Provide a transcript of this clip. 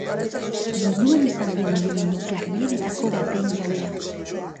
Munduan izan den adimenik garbienetako baten jabea.